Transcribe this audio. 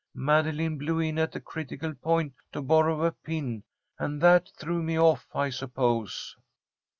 Madeline blew in at a critical point to borrow a pin, and that threw me off, I suppose."